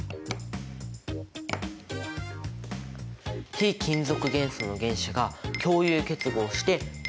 非金属元素の原子が「共有結合」して「分子」になる。